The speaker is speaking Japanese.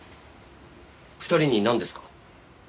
２人になんですか？